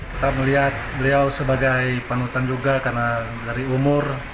kita melihat beliau sebagai panutan juga karena dari umur